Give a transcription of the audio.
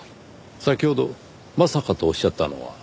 先ほど「まさか」とおっしゃったのは？